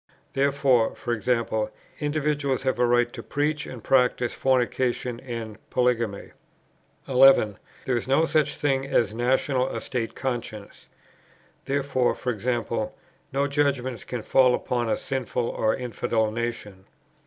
Therefore, e.g. individuals have a right to preach and practise fornication and polygamy. 11. There is no such thing as a national or state conscience. Therefore, e.g. no judgments can fall upon a sinful or infidel nation.